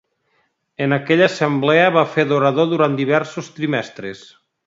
En aquella assemblea va fer d'orador durant diversos trimestres.